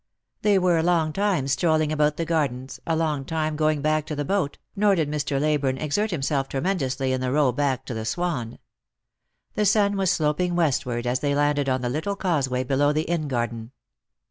They were a long time strolling about the gardens, a long time going back to the boat, nor did Mr. Leyburne exert himself tremendously in the row back to the Swan. The sun was eloping westward as they landed on the little causeway below the inn garden.